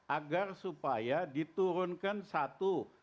agar supaya diturunkan satu